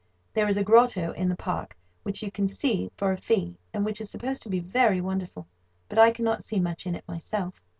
There is a grotto in the park which you can see for a fee, and which is supposed to be very wonderful; but I cannot see much in it myself.